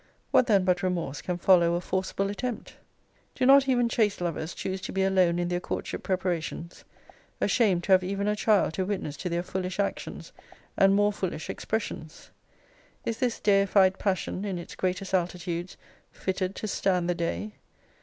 What then but remorse can follow a forcible attempt? Do not even chaste lovers choose to be alone in their courtship preparations, ashamed to have even a child to witness to their foolish actions, and more foolish expressions? Is this deified passion, in its greatest altitudes, fitted to stand the day?